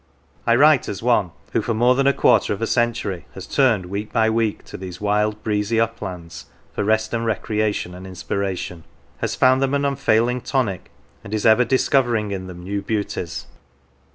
I write as one who for more than a quarter of a century has turned week by week to these wild breezy uplands for rest and recreation and inspiration; has found them an unfailing tonic, and is ever discovering in them new beauties.